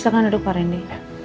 silahkan duduk pak rendy